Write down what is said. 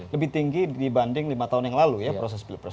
lebih tinggi dibanding lima tahun yang lalu ya proses pilpres